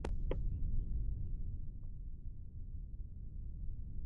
په دې کم عمر دومره پوهه او تقوی ورکړې.